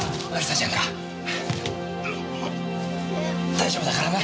大丈夫だからな！